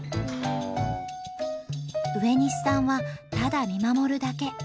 植西さんはただ見守るだけ。